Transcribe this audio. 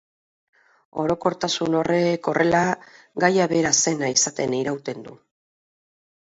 Orokortasun horrek, horrela, gaia bera zena izaten irauten du.